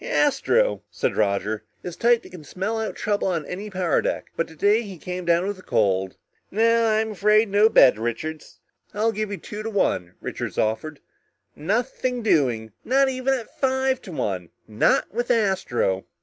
"Astro," said Roger, "is the type that can smell out trouble on any power deck. But today he came down with a cold. No, I'm afraid it's no bet, Richards." "I'll give you two to one," Richards offered. "Nothing doing," replied Roger. "Not even at five to one. Not with Astro."